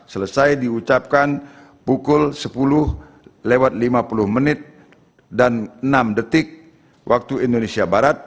selesai diucapkan pukul sepuluh lewat lima puluh menit dan enam detik waktu indonesia barat